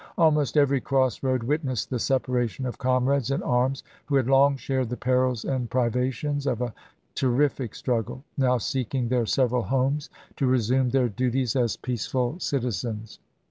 .. Almost every cross road witnessed the separation of comrades in arms, who had long shared the perils and pri vations of a terrific struggle, now seeking their several homes to resume their duties as peace ful citizens."